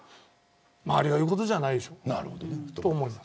周りが言うことじゃないでしょうと思います。